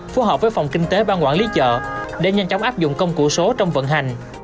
phù hợp với phòng kinh tế bang quản lý chợ để nhanh chóng áp dụng công cụ số trong vận hành